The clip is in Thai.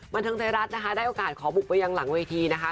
บันทึงไทยรัฐได้โอกาสขอบุกไปอย่างหลังเวทีนะคะ